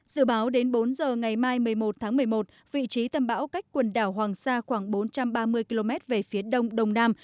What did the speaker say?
dự báo đến bốn giờ ngày mai một mươi một tháng một mươi một vị trí tâm bão cách quần đảo hoàng sa khoảng bốn trăm ba mươi km về phía đông đông nam